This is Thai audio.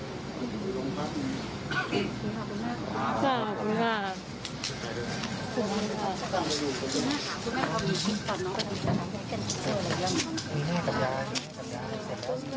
ขอบคุณมากครับ